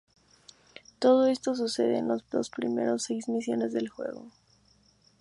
Todo esto sucede en los primeros seis misiones del juego.